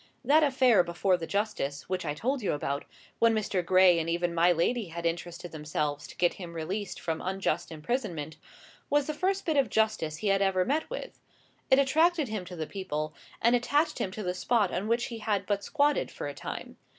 That affair before the justice, which I told you about, when Mr. Gray and even my lady had interested themselves to get him released from unjust imprisonment, was the first bit of justice he had ever met with; it attracted him to the people, and attached him to the spot on which he had but squatted for a time.